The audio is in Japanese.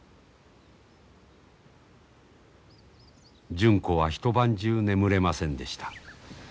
・純子は一晩中眠れませんでした。